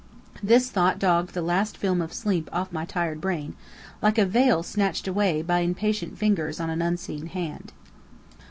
This thought dragged the last film of sleep off my tired brain, like a veil snatched away by impatient fingers on an unseen hand.